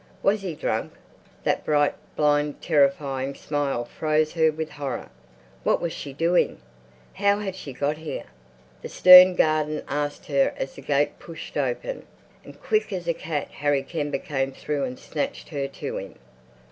Was he drunk? That bright, blind, terrifying smile froze her with horror. What was she doing? How had she got here? the stern garden asked her as the gate pushed open, and quick as a cat Harry Kember came through and snatched her to him.